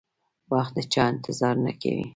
وخت د چا انتظار نه کوي.